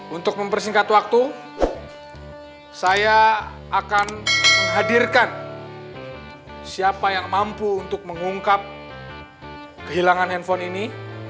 untuk mempersingkat waktu saya akan menghadirkan siapa yang mampu untuk mengungkap kehilangan handphone ini